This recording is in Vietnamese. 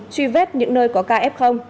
truy vết những nơi có ca f